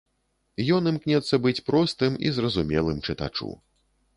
Ён імкнецца быць простым і зразумелым чытачу.